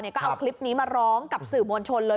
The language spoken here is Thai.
ก็เอาคลิปนี้มาร้องกับสื่อมวลชนเลย